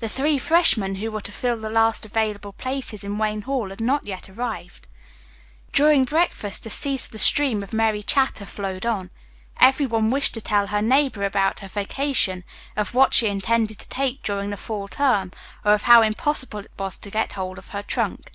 The three freshmen who were to fill the last available places in Wayne Hall had not yet arrived. During breakfast a ceaseless stream of merry chatter flowed on. Everyone wished to tell her neighbor about her vacation, of what she intended to take during the fall term, or of how impossible it was to get hold of her trunk.